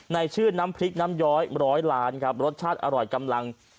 ชื่อน้ำพริกน้ำย้อยร้อยล้านครับรสชาติอร่อยกำลัง